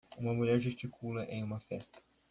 Uma mulher gesticula em uma festa.